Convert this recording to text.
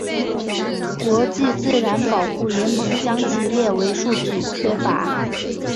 国际自然保护联盟将其列为数据缺乏。